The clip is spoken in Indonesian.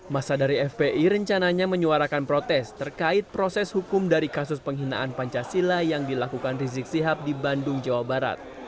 masa dari fpi rencananya menyuarakan protes terkait proses hukum dari kasus penghinaan pancasila yang dilakukan rizik sihab di bandung jawa barat